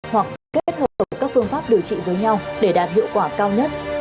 hoặc kết hợp các phương pháp điều trị với nhau để đạt hiệu quả cao nhất